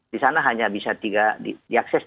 di sana hanya bisa tiga diakses